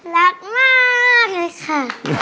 รักมากเลยค่ะ